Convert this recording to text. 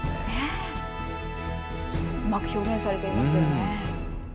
うまく表現されていますよね。